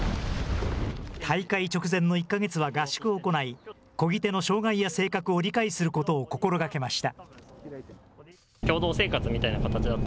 大会直前の１か月は合宿を行い、こぎ手の障害や性格を理解することを心がけました。